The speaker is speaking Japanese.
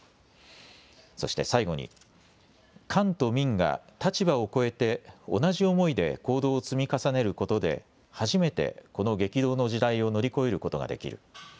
そして最後に官と民が立場を超えて同じ思いで行動を積み重ねることで初めてこの激動の時代を乗り越えることができる。